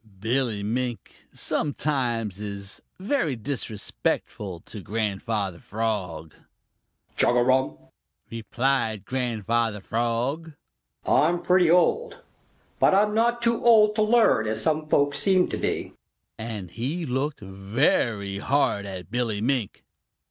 Billy Mink sometimes is very disrespectful to Grandfather Frog. "Chugarum!" replied Grandfather Frog. "I'm pretty old, but I'm not too old to learn as some folks seem to be," and he looked very hard at Billy Mink.